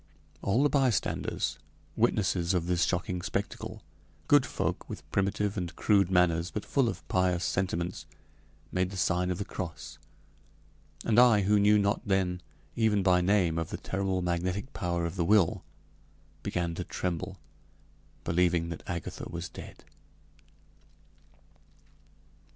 All the bystanders, witnesses of this shocking spectacle, good folk with primitive and crude manners, but full of pious sentiments, made the sign of the cross, and I who knew not then, even by name, of the terrible magnetic power of the will, began to tremble, believing that Agatha was dead.